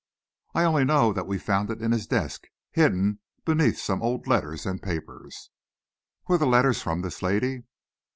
"I only know that we found it in his desk, hidden beneath some old letters and papers." "Were the letters from this lady?"